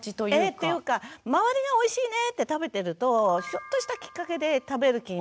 ええっていうか周りがおいしいねって食べてるとちょっとしたきっかけで食べる気にもなったり。